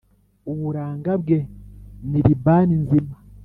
Uburanga bwe ni Libani nzima,